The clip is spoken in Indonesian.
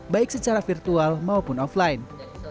baik secara virtual maupun offline